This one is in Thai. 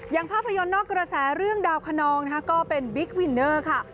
ภาพยนตร์นอกกระแสเรื่องดาวคนนองนะคะก็เป็นบิ๊กวินเนอร์ค่ะ